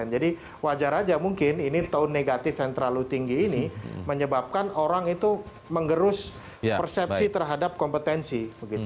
jadi wajar saja mungkin ini tone negatif yang terlalu tinggi ini menyebabkan orang itu mengerus persepsi terhadap kompetensi